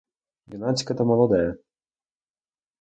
Юнацьке — то молоде.